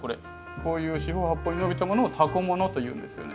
こういう四方八方に伸びたものをタコ物というんですよね。